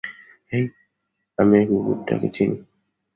হেই, আমি ওই কুকুরটাকে চিনি।